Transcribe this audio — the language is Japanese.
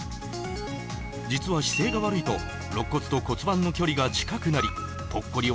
実は姿勢が悪いと肋骨と骨盤の距離が近くなりぽっこり